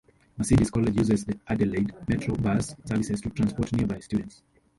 Mercedes College uses the Adelaide Metro bus service to transport nearby students.